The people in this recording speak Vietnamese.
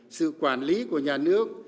sự quản lý của nhà nước